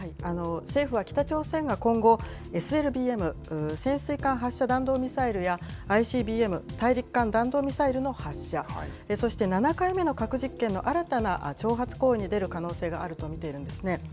政府は北朝鮮が今後、ＳＬＢＭ・潜水艦発射弾道ミサイルや、ＩＣＢＭ・大陸間弾道ミサイルの発射、そして７回目の核実験の新たな挑発行為に出る可能性があると見ているんですね。